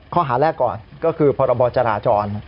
ข้อหาแรกก่อนก็คือพรบจราจร